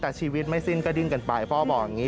แต่ชีวิตไม่สิ้นก็ดิ้นกันไปพ่อบอกอย่างนี้